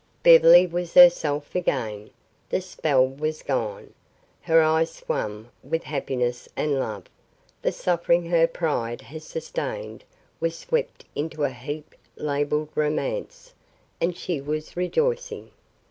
Beverly was herself again. The spell was gone. Her eyes swam with happiness and love; the suffering her pride had sustained was swept into a heap labeled romance, and she was rejoicing.